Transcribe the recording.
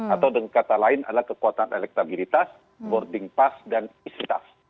atau dengan kata lain adalah kekuatan elektabilitas boarding pass dan is staff